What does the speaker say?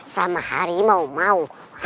sama hari mau mau